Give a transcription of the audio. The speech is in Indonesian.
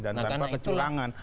dan tanpa kecurangan